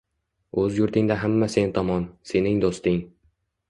O‘z yurtingda hamma sen tomon – sening do‘sting